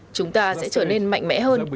chúng ta sẽ trở nên mạnh mẽ hơn